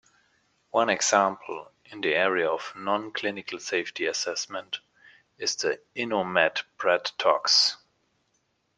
One example in the area of non-clinical safety assessment is the InnoMed PredTox.